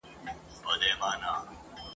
شاوخوا یې ترې را تاوکړله خطونه !.